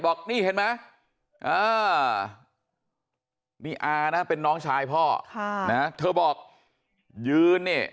บอกนี่เห็นไหมนี่อานะเป็นน้องชายพ่อค่ะนะเธอบอกยืนเนี่ย